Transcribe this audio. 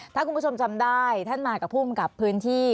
ถ้าคุณผู้ชมจำได้ท่านมากับภูมิกับพื้นที่